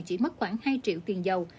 chỉ mất khoảng hai triệu tiền dầu